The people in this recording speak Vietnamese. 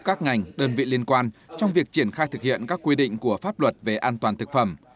các ngành đơn vị liên quan trong việc triển khai thực hiện các quy định của pháp luật về an toàn thực phẩm